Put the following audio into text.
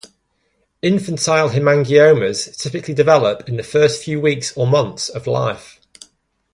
Infantile hemangiomas typically develop in the first few weeks or months of life.